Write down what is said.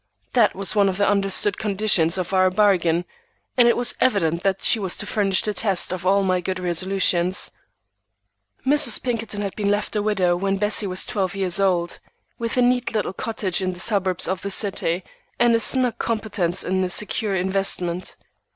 That was one of the understood conditions of our bargain, and it was evident that she was to furnish the test of all my good resolutions. Mrs. Pinkerton had been left a widow when Bessie was twelve years old, with a neat little cottage in the suburbs of the city and a snug competence in a secure investment.